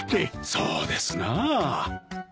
そうですな。